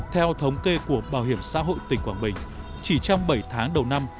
theo thống kê của bảo hiểm xã hội tỉnh quảng bình chỉ trong bảy tháng đầu năm